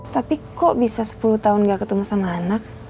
tapi kok bisa sepuluh tahun gak ketemu sama anak